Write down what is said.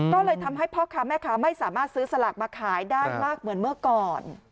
ก็เลยทำให้พ่อค้าแม่ค้าไม่สามารถซื้อสลากมาขายได้มากเหมือนเมื่อก่อน